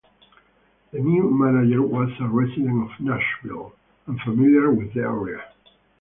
The new manager was a resident of Nashville, and familiar with the area.